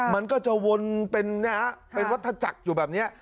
มันก็จะวนเป็นเนี้ยเป็นวัดทจักรอยู่แบบเนี้ย